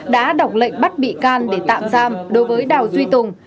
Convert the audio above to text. đã đọc lệnh bắt bị can để tạm giam đối với đào duy tùng